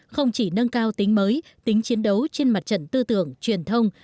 không chỉ nâng cao tính mới tính chiến đấu trên mặt trận tư tưởng truyền thông